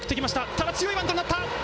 ただ強いバントになった。